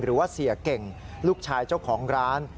หรือว่าเสียเก่งลูกชายเจ้าของร้าน